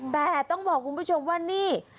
แต่ต้องบอกคุณผู้ชมว่านี่